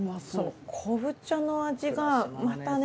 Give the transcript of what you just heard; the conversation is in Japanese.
こぶ茶の味がまたね